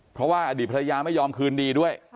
เพราะว่าอดีตภรรยาไม่ยอมคืนดีด้วย